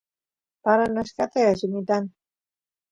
paran achkata y allimitan